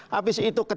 habis itu ketemu